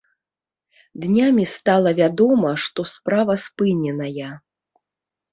Днямі стала вядома, што справа спыненая.